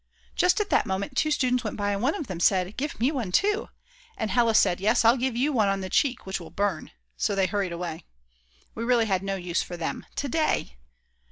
Just at that moment two students went by and one of them said: "Give me one too." And Hella said: "Yes, I'll give you one on the cheek which will burn." So they hurried away. We really had no use for them: to day!!